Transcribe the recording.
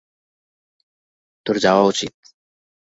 তোর যাওয়া উচিত।